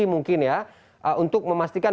mungkin ya untuk memastikan